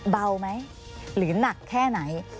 เบาไหมหรือหนักแค่ไหน